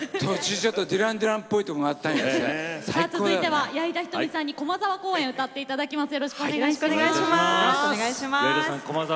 続いては矢井田瞳さんに「駒沢公園」歌っていただきます。